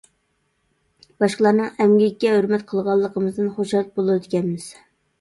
باشقىلارنىڭ ئەمگىكىگە ھۆرمەت قىلغانلىقىمىزدىن خۇشال بولىدىكەنمىز.